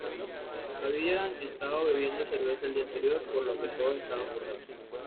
Habían estado bebiendo cerveza el día anterior, por lo que todos estaban borrachos.